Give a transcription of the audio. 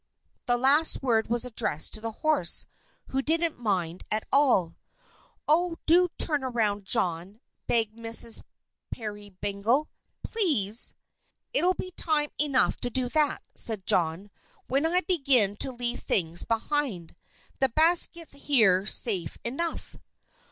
This last word was addressed to the horse, who didn't mind at all. "Oh, do turn round, John," begged Mrs. Peerybingle. "Please!" "It'll be time enough to do that," said John, "when I begin to leave things behind me. The basket's here safe enough."